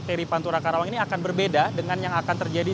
dari pantura karawang ini akan berbeda dengan yang akan terjadi